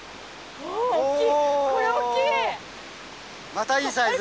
またいいサイズ。